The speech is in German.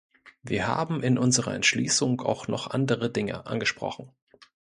Wir haben in unserer Entschließung auch noch andere Dinge angesprochen.